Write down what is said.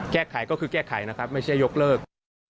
แก้ไขก็คือแก้ไขนะครับไม่ใช่ยกเลิก